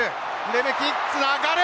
レメキつながる。